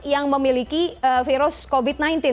yang memiliki virus covid sembilan belas